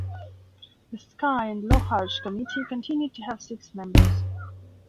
The Skye and Lochalsh committee continued to have six members.